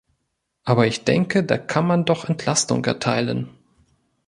Aber ich denke, da kann man doch Entlastung erteilen.